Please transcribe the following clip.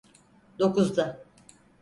Dokuzda.